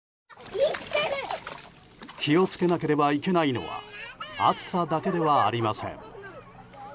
気を付けなければいけないのは暑さだけではありません。